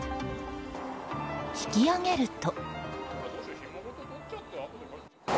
引き揚げると。